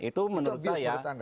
itu menurut saya